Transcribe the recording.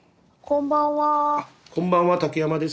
こんばんは。